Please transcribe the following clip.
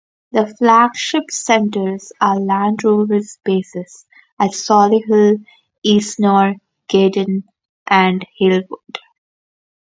The flagship centres are Land Rover's bases at Solihull, Eastnor, Gaydon and Halewood.